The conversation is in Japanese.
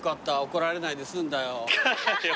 怒られないで済んだよ。